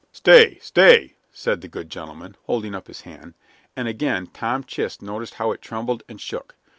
"Stay! stay!" said the good gentleman, holding up his hand; and again Tom Chist noticed how it trembled and shook.